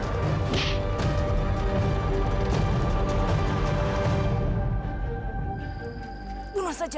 aku akan menang